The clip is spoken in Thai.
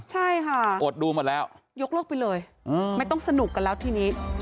ใช่ค่ะอดดูหมดแล้วยกเลิกไปเลยไม่ต้องสนุกกันแล้วทีนี้